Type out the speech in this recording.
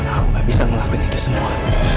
karena aku gak bisa ngelakuin itu semua